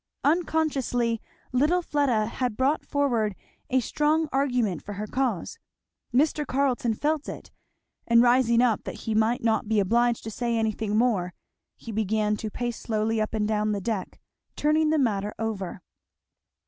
Unconsciously, little Fleda had brought forward a strong argument for her cause. Mr. Carleton felt it, and rising up that he might not be obliged to say anything more, he began to pace slowly up and down the deck, turning the matter over.